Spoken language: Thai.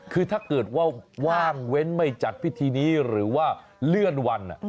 คือถ้าเกิดว่าว่างเว้นไม่จัดพิธีนี้หรือว่าเลื่อนวัน